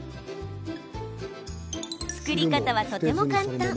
作り方は、とても簡単。